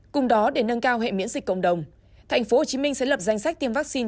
cùng đó để nâng cao hệ miễn dịch cộng đồng tp hcm sẽ lập danh sách tiêm vaccine